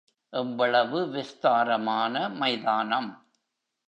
எவ்வளவு விஸ்தாரமான மைதானம்?